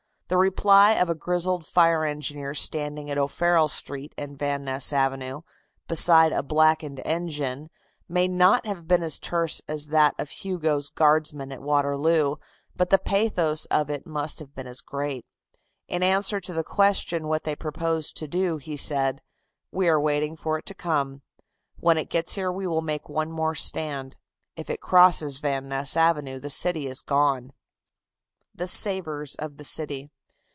The reply of a grizzled fire engineer standing at O'Farrell Street and Van Ness Avenue, beside a blackened engine, may not have been as terse as that of Hugo's guardsman at Waterloo, but the pathos of it must have been as great. In answer to the question of what they proposed to do, he said: "We are waiting for it to come. When it gets here we will make one more stand. If it crosses Van Ness Avenue the city is gone." THE SAVERS OF THE CITY.